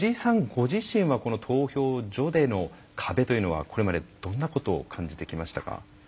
ご自身はこの投票所での壁というのはこれまでどんなことを感じてきましたか？